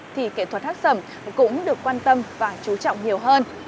thì nghệ thuật hát sẩm cũng được quan tâm và chú trọng nhiều hơn